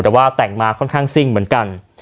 แต่ว่าแต่งมาค่อนข้างซิ่งเหมือนกัน